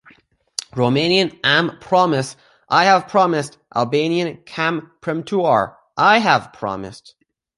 Romanian "am promis" "I have promised", Albanian "kam premtuar" "I have promised".